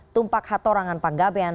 tumpak hatorangan panggabean